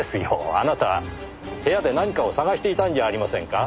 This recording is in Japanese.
あなたは部屋で何かを探していたんじゃありませんか？